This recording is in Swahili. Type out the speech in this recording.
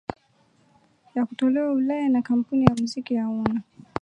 Ya kutolewa Ulaya na Kampuni ya Muziki ya Warner